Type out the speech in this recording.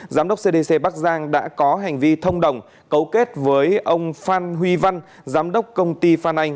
giám đốc cdc bắc giang đã có hành vi thông đồng cấu kết với ông phan huy văn giám đốc công ty phan anh